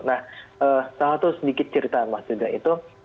nah salah satu sedikit cerita mas yuda itu